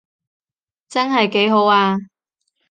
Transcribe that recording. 真係幾好啊